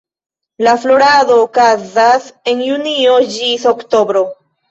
La florado okazas de junio ĝis oktobro.